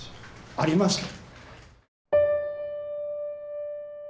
ありましたと。